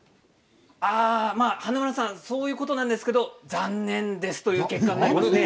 華丸さん、そういうことなんですけれども残念ですという結果になります。